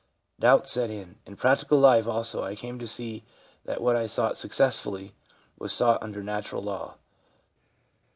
Doubts set in. In practical life also I came to see that what I sought sticcessfully was sought under natural law.